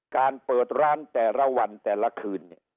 การเปิดร้านแต่ละวันแต่ละคืนเนี่ย